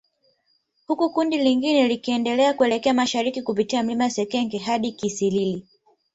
Huku kundi lingine likiendelea kuelekea mashariki kupitia mlima Sekenke hadi Kisiriri